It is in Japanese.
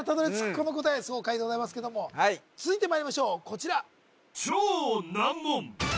この答え爽快でございますけどもはい続いてまいりましょうこちら